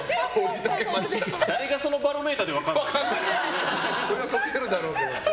誰がそのバロメーターで分かるの。